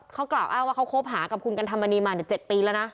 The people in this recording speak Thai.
เขากล่าวอ้างว่าเขาคบหากับคุณกันธรรมนีมา๗ปีแล้วนะ